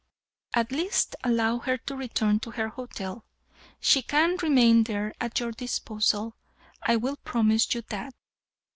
"At least allow her to return to her hotel. She can remain there at your disposal. I will promise you that."